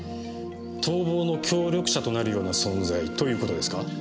逃亡の協力者となるような存在ということですか？